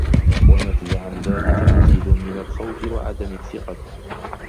ونتج عن ذلك مزيد من الخوف وعدم الثقة.